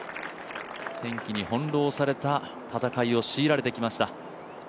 天気に翻弄された戦いを強いられてきました。